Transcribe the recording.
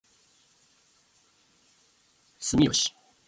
住吉